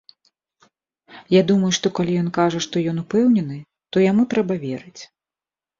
Я думаю, што калі ён кажа, што ён упэўнены, то яму трэба верыць.